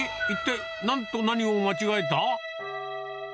一体、なんと何を間違えた？